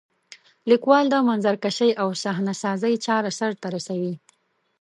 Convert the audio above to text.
لیکوال د منظرکشۍ او صحنه سازۍ چاره سرته رسوي.